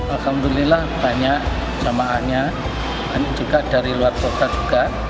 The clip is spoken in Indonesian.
alhamdulillah banyak jamaahnya juga dari luar kota juga